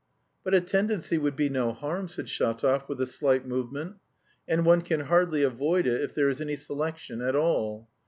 "But a tendency would be no harm," said Shatov, with a slight movement, "and one can hardly avoid it if there is any selection at all.